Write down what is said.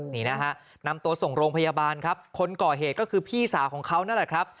นี่นะฮะนำตัวส่งโรงพยาบาลครับคนก่อเหตุก็คือพี่สาวของเขานั่นแหละครับ